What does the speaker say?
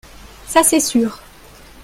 Ça c’est sûr